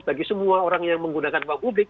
bagi semua orang yang menggunakan uang publik